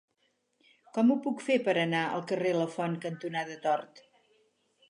Com ho puc fer per anar al carrer Lafont cantonada Tort?